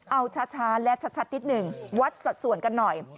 เอาช้าและชัดนิดหนึ่งวัดสัดส่วนกันหน่อย